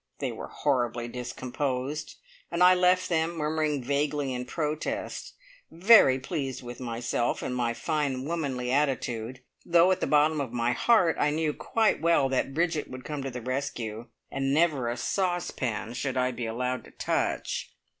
They were horribly discomposed, and I left them murmuring vaguely in protest, very pleased with myself and my fine womanly attitude, though at the bottom of my heart I knew quite well that Bridget would come to the rescue, and never a saucepan should I be allowed to touch.